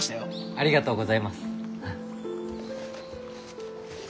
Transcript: ありがとうございます。